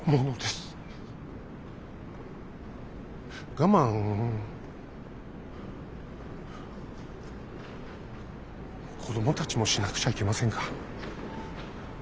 我慢子供たちもしなくちゃいけませんか？